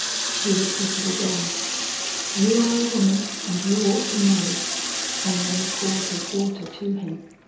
"He repeated again, 'You are a woman and you ought to know.' And then called his daughter to him.